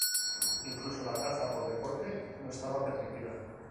Incluso la caza por deporte no estaba permitida.